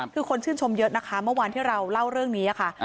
คือคนชื่นชมเยอะนะคะเมื่อวานที่เราเล่าเรื่องนี้ค่ะ